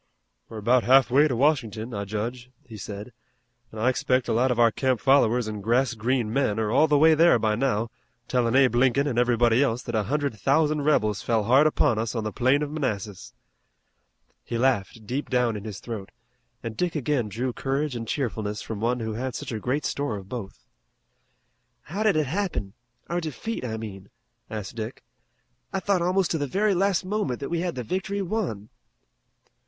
"We're about half way to Washington, I judge," he said, "an' I expect a lot of our camp followers and grass green men are all the way there by now, tellin' Abe Lincoln an' everybody else that a hundred thousand rebels fell hard upon us on the plain of Manassas." He laughed deep down in his throat and Dick again drew courage and cheerfulness from one who had such a great store of both. "How did it happen? Our defeat, I mean," asked Dick. "I thought almost to the very last moment that we had the victory won."